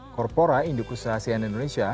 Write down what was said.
korpora indukusah sian indonesia